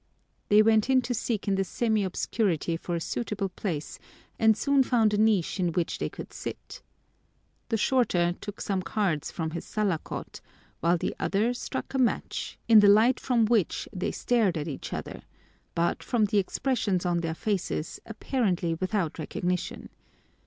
They went in to seek in the semi obscurity for a suitable place and soon found a niche in which they could sit. The shorter took some cards from his salakot, while the other struck a match, in the light from which they stared at each other, but, from the expressions on their faces, apparently without recognition.